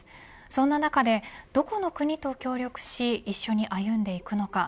そんな中で、どこの国と協力し一緒に歩んでいくのか。